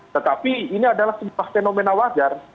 tetapi ini adalah sebuah fenomena wajar